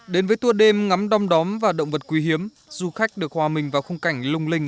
đến với tua đêm ngắm đom đóm và động vật quý hiếm du khách được hòa mình vào khung cảnh lung linh